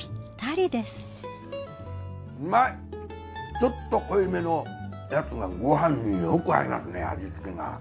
ちょっと濃い目のやつがご飯によく合いますね味付けが。